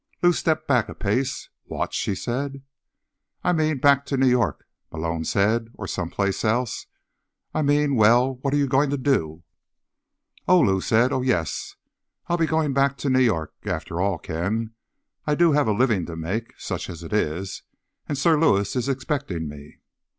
Lou stepped back a pace. "What?" she said. "I mean, back to New York?" Malone said. "Or someplace else? I mean— well, what are you going to do?" "Oh," Lou said. "Oh, yes. I'll be going back to New York. After all, Ken, I do have a living to make, such as it is, and Sir Lewis is expecting me."